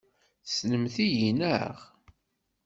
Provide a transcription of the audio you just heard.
Tessnemt-iyi, naɣ?